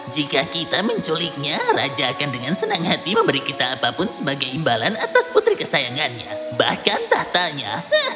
jika kita menculiknya raja akan dengan senang hati memberi kita apapun sebagai imbalan atas putri kesayangannya bahkan tahtanya